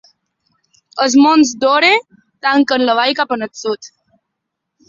Els Monts Dore tanquen la vall cap al sud.